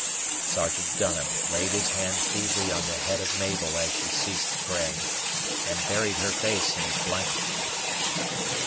Sergeant Dunham laid his hand feebly on the head of Mabel as she ceased praying, and buried her face in his blanket.